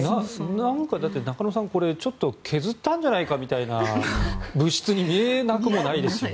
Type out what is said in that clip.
なんか中野さんこれ削ったんじゃないかという物質に見えなくもないですよね。